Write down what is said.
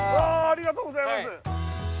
ありがとうございます。